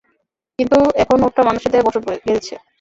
কিন্তু, এখন ওটা মানুষের দেহে বসত গেড়েছে!